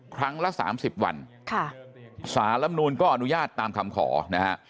ครั้งละสามสิบวันค่ะสารรัฐธรรมนูญก็อนุญาตตามคำขอนะฮะ